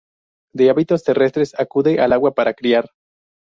De hábitos terrestres, acude al agua para criar.